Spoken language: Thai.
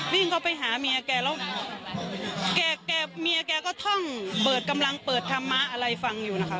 วิ่งเข้าไปหาเมียแกแล้วแกเมียแกก็ท่องเบิดกำลังเปิดธรรมะอะไรฟังอยู่นะคะ